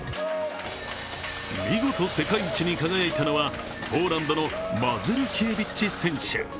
見事、世界一に輝いたのはポーランドのマズルキエビッチ選手。